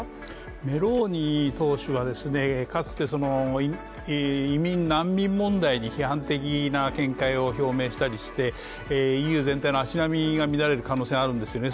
メローニ党首はかつて移民・難民問題に批判的な見解を表明したりしてＥＵ全体の足並みが乱れる可能性があるんですよね。